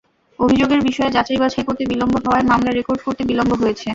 অভিযোগের বিষয়ে যাচাই-বাছাই করতে বিলম্ব হওয়ায় মামলা রেকর্ড করতে বিলম্ব হয়েছে।